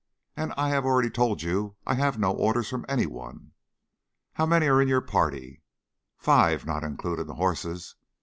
"And I have already told you, I have no orders from any one." "How many are in your party?" "Five, not including the horses."